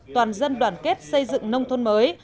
toàn dân đoàn kết xây dựng nông thôn mới